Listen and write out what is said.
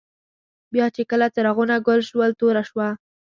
بیا چي کله څراغونه ګل شول، توره شوه.